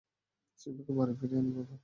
সিম্বাকে বাড়ি ফিরে আনি, বাবা।